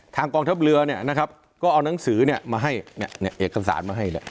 ทางกองทัพเรือเนี่ยนะครับก็เอานังสือเนี่ยมาให้เนี่ยเนี่ยเนี่ยเอกสารมาให้